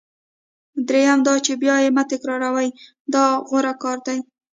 دریم دا چې بیا یې مه تکراروئ دا غوره کار دی.